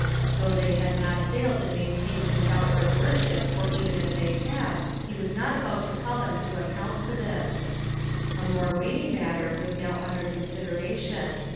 Though thej hiid not failed in maintaining his ontward wonbip, or even if the; had, he was not about to call them to account for this : a more weighty matter was now under consideration.